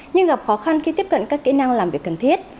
nhưng gặp khó khăn khi tiếp cận các kỹ năng làm việc cần thiết